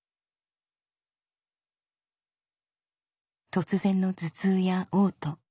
突然の頭痛やおう吐。